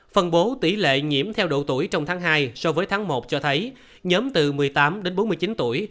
phân bố tỷ lệ nhiễm theo độ tuổi trong tháng hai so với tháng một cho thấy nhóm từ một mươi tám đến bốn mươi chín tuổi